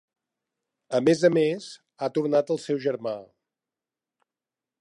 A més a més, ha tornat el seu germà.